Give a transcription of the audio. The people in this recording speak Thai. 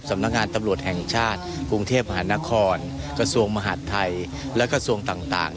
สำนักงานตำรวจแห่งชาติกรุงเทพมหานครกระทรวงมหาดไทยและกระทรวงต่าง